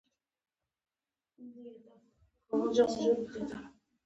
خپلواکي او ساتل یې د هر ملت د ژوندانه توکی دی.